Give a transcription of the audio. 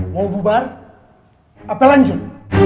mau bubar apa lanjut